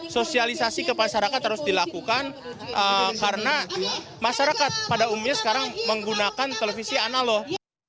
sosialisasi ke masyarakat harus dilakukan karena masyarakat pada umumnya sekarang menggunakan televisi analog